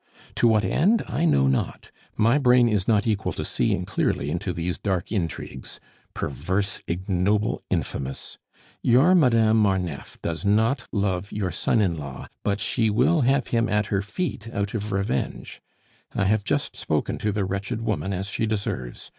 To what end? I know not. My brain is not equal to seeing clearly into these dark intrigues perverse, ignoble, infamous! Your Madame Marneffe does not love your son in law, but she will have him at her feet out of revenge. I have just spoken to the wretched woman as she deserves.